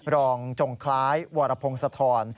รองจงคล้ายวรพงศธร